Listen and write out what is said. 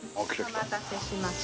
お待たせしました。